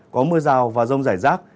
có mưa rào và rông rải rác